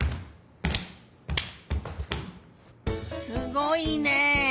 すごいね！